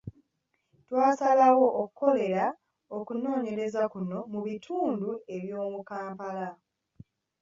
Twasalawo okukolera okunoonyereza kuno mu bitundu eby’omu Kampala.